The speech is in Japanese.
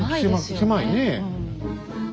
狭いねえ。